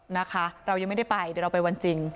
นะคะเรายังไม่ได้ไปเดี๋ยวเราไปวันจริง